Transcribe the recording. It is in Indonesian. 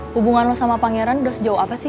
hubungan lo sama pangeran udah sejauh apa sih